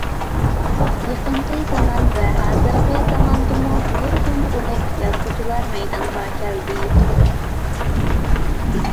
يېقىنقى زامان ۋە ھازىرقى زاماندىمۇ نۇرغۇن ئۇلۇغ يازغۇچىلار مەيدانغا كەلدى.